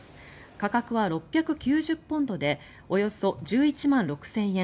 価格は６９０ポンドでおよそ１１万６０００円